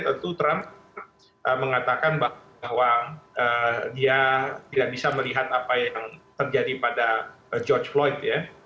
tentu trump mengatakan bahwa dia tidak bisa melihat apa yang terjadi pada george floyd ya